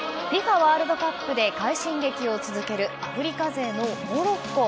ワールドカップで快進撃を続けるアフリカ勢のモロッコ。